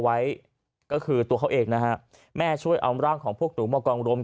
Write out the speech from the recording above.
ไว้ก็คือตัวเขาเองนะฮะแม่ช่วยเอาร่างของพวกหนูมากองรม